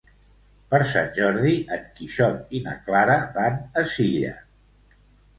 Per Sant Jordi en Quixot i na Clara van a Silla.